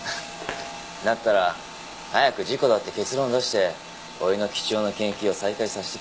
だったら早く事故だって結論を出して俺の貴重な研究を再開させてくれよ。